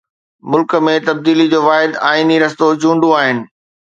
ملڪ ۾ تبديلي جو واحد آئيني رستو چونڊون آهن.